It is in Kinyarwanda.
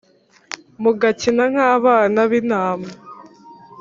Mugakina nk abana b intama